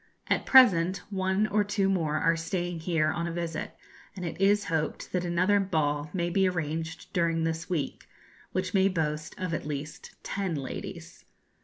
At present one or two more are staying here on a visit, and it is hoped that another ball may be arranged during this week, which may boast of at least ten ladies.